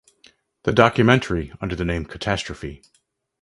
The documentary, under the name Catastrophe!